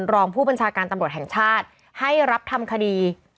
รองผู้บัญชาการตำรวจแห่งชาติให้รับทำคดี